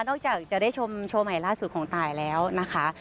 จากจะได้ชมโชว์ใหม่ล่าสุดของตายแล้วนะคะ